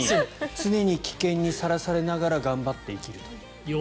常に危険にさらされながら頑張って生きるという。